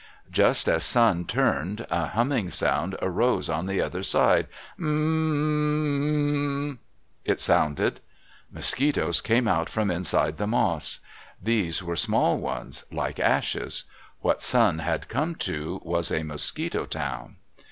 Just as Sun turned, a humming sound arose on the other side—Hm hm mmmmmmmm, it sounded. Mosquitoes came out from inside the moss. These were small ones, like ashes. What Sun had come to was a Mosquito town.